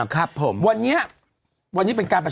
อุ๊ยหลังเล่นว่านี้แล้วเหรอ